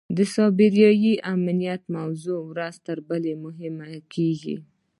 د سایبري امنیت موضوع ورځ تر بلې مهمه کېږي.